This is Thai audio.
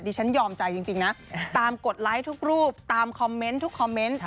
ฉันยอมใจจริงนะตามกดไลค์ทุกรูปตามคอมเมนต์ทุกคอมเมนต์